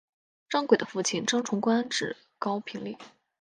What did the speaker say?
张轨的父亲张崇官至高平令。